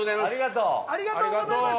ありがとうございます。